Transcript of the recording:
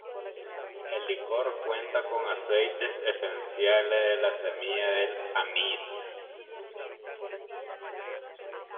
El licor cuenta con aceites esenciales de la semilla del anís.